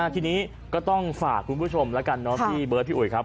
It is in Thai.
ทีนี้ก็ต้องฝากคุณผู้ชมแล้วกันเนาะพี่เบิร์ดพี่อุ๋ยครับ